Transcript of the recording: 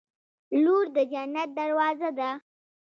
• لور د جنت دروازه ده.